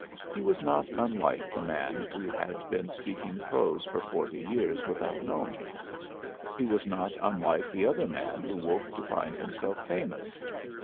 He was not unlike the man who had been speaking prose for forty years without knowing it. He was not unlike the other man who woke to find himself famous.